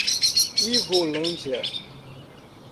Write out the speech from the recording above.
Ivolândia